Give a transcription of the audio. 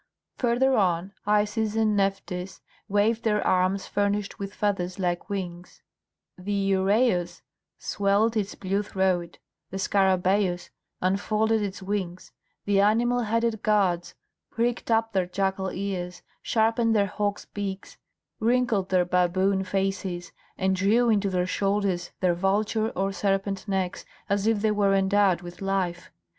Farther on, Isis and Nephthys waved their arms furnished with feathers like wings; the uræus swelled its blue throat, the scarabæus unfolded its wings, the animal headed gods pricked up their jackal ears, sharpened their hawk's beaks, wrinkled their baboon faces, and drew into their shoulders their vulture or serpent necks as if they were endowed with life.